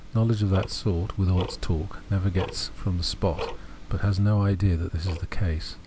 Knowledge of that sort, with all its talk, never gets from the spot, but has no idea that this is the case.